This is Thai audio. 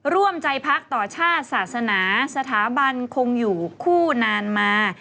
ร่วมใจพักต่อชาติศาสนาสถาบันคงอยู่คู่นานมา